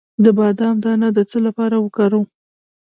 د بادام دانه د څه لپاره وکاروم؟